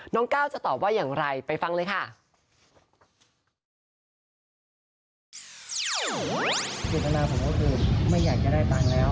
น้องก้าวจะตอบว่าอย่างไรไปฟังเลย